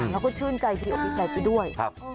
แล้วก็ชื่นใจที่อบิจัยไปด้วย